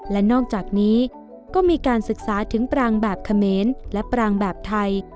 และนอกจากนี้ก็มีการศึกษาถึงปรางแบบเขมรและปรางแบบไทย